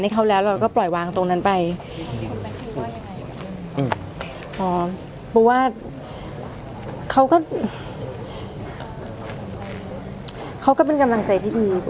เขาก็เป็นกำลังใจที่ดี